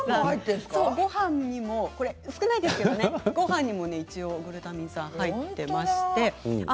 少ないですけどごはんにも一応グルタミン酸が入っていまして。